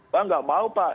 pak gak mau pak